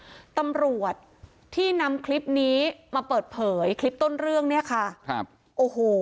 ตำรวจที่นำคลิปนี้มาเปิดเผยคลิปต้นเรื่องเนี่ยค่ะครับโอ้โห